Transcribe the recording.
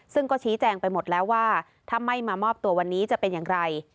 ซึ่งก็ชี้แจงไปหมดแล้วว่าถ้าไม่มามอบตัววันนี้จะเป็นอย่างไร